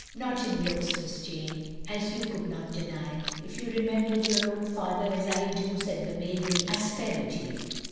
"Not in looks. Miss Jane, as you could not deny, if you remembered your own father as I do, " said the maid with asperity.